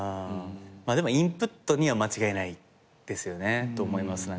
でもインプットには間違いないと思います。